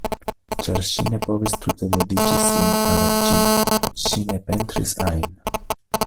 Ĉar ŝi ne povis tute dediĉi sin al ĝi, ŝi ne pentris ajn.